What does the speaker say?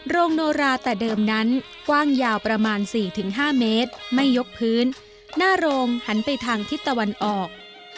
โนราแต่เดิมนั้นกว้างยาวประมาณ๔๕เมตรไม่ยกพื้นหน้าโรงหันไปทางทิศตะวันออก